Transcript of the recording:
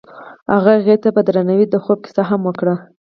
هغه هغې ته په درناوي د خوب کیسه هم وکړه.